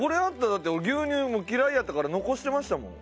だって俺牛乳嫌いやったから残してましたもん。